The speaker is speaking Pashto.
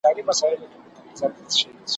د بدي خبري سل کاله عمر وي `